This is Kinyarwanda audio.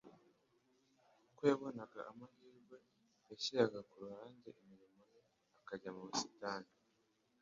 Uko yabonaga amahirwe, yashyiraga ku ruhande imirimo Ye, akajya mu busitani,